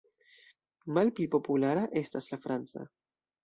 Malpli populara estas la franca.